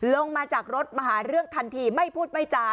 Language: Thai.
ลงมาจากรถมาหาเรื่องทันทีไม่พูดไม่จา